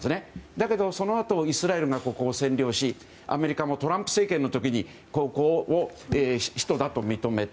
だけど、そのあとイスラエルがここを占領しアメリカもトランプ政権の時にここを首都だと認めた。